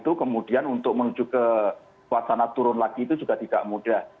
kemudian untuk menuju ke wacana turun lagi itu juga tidak mudah